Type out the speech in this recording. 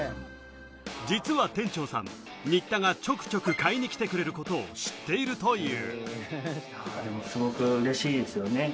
実は店長さん、新田がちょくちょく買いに来てくれることを知っているという。